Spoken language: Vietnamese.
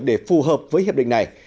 để phù hợp với hiệp định này